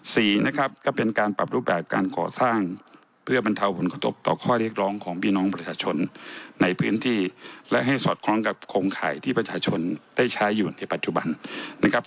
สี่นะครับก็เป็นการปรับรูปแบบการก่อสร้างเพื่อบรรเทาผลกระทบต่อข้อเรียกร้องของพี่น้องประชาชนในพื้นที่และให้สอดคล้องกับโครงข่ายที่ประชาชนได้ใช้อยู่ในปัจจุบันนะครับ